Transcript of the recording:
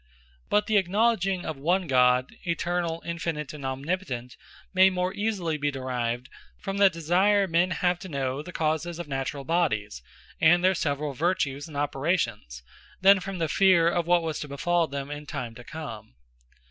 But the acknowledging of one God Eternall, Infinite, and Omnipotent, may more easily be derived, from the desire men have to know the causes of naturall bodies, and their severall vertues, and operations; than from the feare of what was to befall them in time to come.